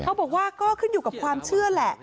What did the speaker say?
เขาบอกว่าก็ขึ้นอยู่กับความเชื่อแหละ